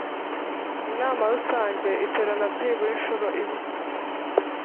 inama rusange iterana byibura inshuro imwe